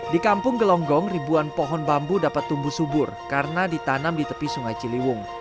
di kampung gelonggong ribuan pohon bambu dapat tumbuh subur karena ditanam di tepi sungai ciliwung